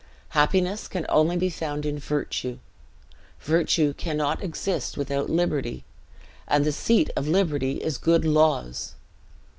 Happiness can only be found in virtue; virtue cannot exit without liberty; and the seat of liberty is good laws!